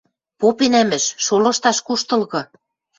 Попенӓмӹш: шолышташ куштылгы...